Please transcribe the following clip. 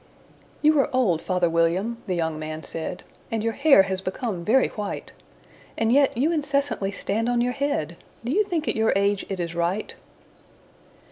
"YOU are old, father William," the young man said, "And your hair has become very white; And yet you incessantly stand on your head Do you think, at your age, it is right?